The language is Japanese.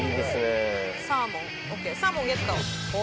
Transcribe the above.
・サーモンゲット。